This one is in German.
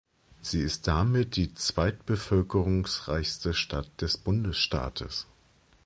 Sie ist damit die zweitbevölkerungsreichste Stadt des Bundesstaates.